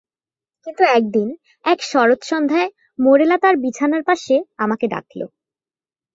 কিন্তু একদিন এক শরৎ-সন্ধ্যায় মোরেলা তার বিছানার পাশে আমাকে ডাকল।